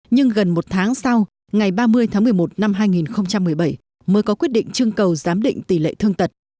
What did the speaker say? nhưng gần một tháng sau ngày ba mươi tháng một mươi một năm hai nghìn một mươi bảy mới có quyết định trưng cầu giám định tỷ lệ thương tật